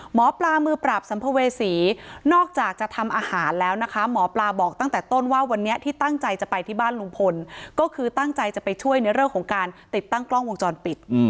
หมอปลามือปราบสัมภเวษีนอกจากจะทำอาหารแล้วนะคะหมอปลาบอกตั้งแต่ต้นว่าวันนี้ที่ตั้งใจจะไปที่บ้านลุงพลก็คือตั้งใจจะไปช่วยในเรื่องของการติดตั้งกล้องวงจรปิด